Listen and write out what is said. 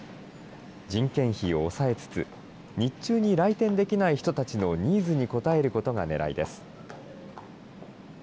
人件費を抑えつつ、日中に来店できない人たちのニーズに応えることがねらいです。